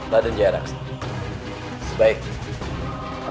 rada jara sebaiknya